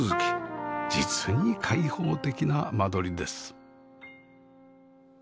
実に開放的な間取りです